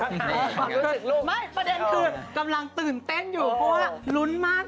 ความรู้สึกลูกไม่ประเด็นคือกำลังตื่นเต้นอยู่เพราะว่าลุ้นมาก